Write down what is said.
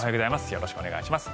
よろしくお願いします。